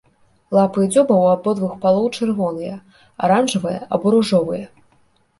Лапы і дзюба ў абодвух палоў чырвоныя, аранжавыя або ружовыя.